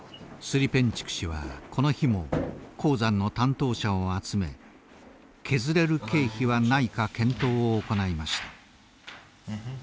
スリペンチュク氏はこの日も鉱山の担当者を集め削れる経費はないか検討を行いました。